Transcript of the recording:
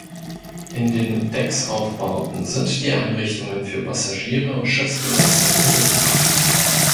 In den Decksaufbauten sind die Einrichtungen für Passagiere und Schiffsbesatzung untergebracht.